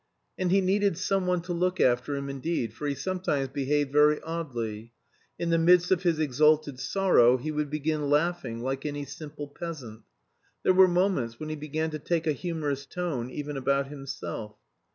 And he needed someone to look after him indeed, for he sometimes behaved very oddly: in the midst of his exalted sorrow he would begin laughing like any simple peasant. There were moments when he began to take a humorous tone even about himself.